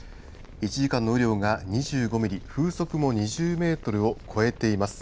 １時間の雨量が２５ミリ風速も２０メートルを超えています。